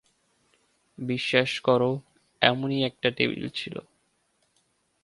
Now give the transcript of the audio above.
বিশ্বাস কর - এমনই একটা টেবিল ছিল।